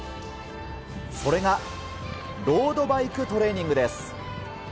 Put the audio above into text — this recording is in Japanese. それがロードバイクトレーニングです。